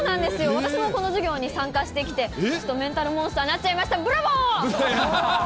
私もこの授業に参加してきて、ちょっとメンタルモンスターになっちゃいました、ブラボー。